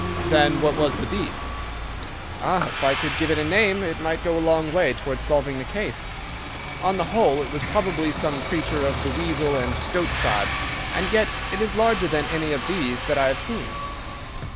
"Then what was the beast?" "Ah, if I could give it a name it might go a long way towards solving the case. On the whole, it was probably some creature of the weasel and stoat tribe—and yet it is larger than any of these that I have seen."